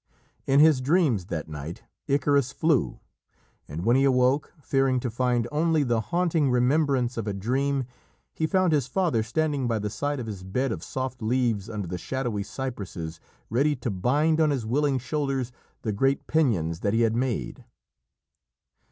In his dreams that night Icarus flew, and when he awoke, fearing to find only the haunting remembrance of a dream, he found his father standing by the side of his bed of soft leaves under the shadowy cypresses, ready to bind on his willing shoulders the great pinions that he had made.